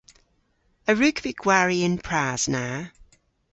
A wrug vy gwari y'n pras na?